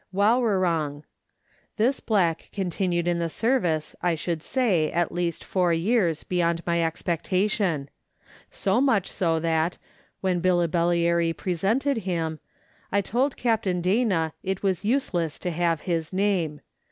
Waworong. This black continued in the service, I should say, at least four years beyond my expectation ; so much so that, when Billibellary presented him, I told Captain Dana it was useless to* have his name.